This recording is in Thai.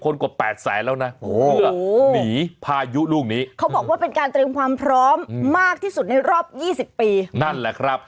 น่ากลัวคือทางเวียดา